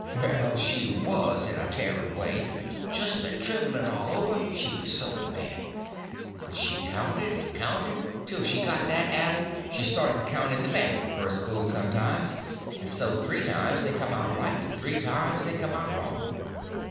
Well, she was in a tearing way—just a trembling all over, she was so mad. But she counted and counted till she got that addled she'd start to count in the basket for a spoon sometimes; and so, three times they come out right, and three times they come out wrong.